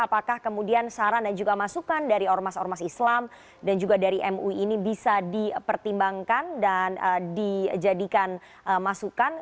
apakah kemudian saran dan juga masukan dari ormas ormas islam dan juga dari mui ini bisa dipertimbangkan dan dijadikan masukan